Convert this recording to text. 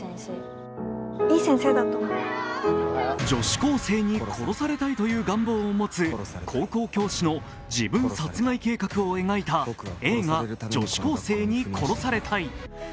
女子高生に殺されたいという願望を持つ高校教師の自分殺害計画を描いた映画「女子高生に殺されたい」。